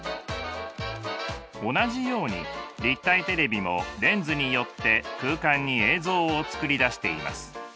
同じように立体テレビもレンズによって空間に映像を作り出しています。